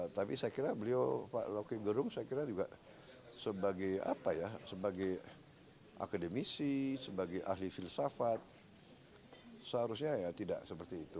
tapi saya kira beliau pak loki gerung saya kira juga sebagai apa ya sebagai akademisi sebagai ahli filsafat seharusnya ya tidak seperti itu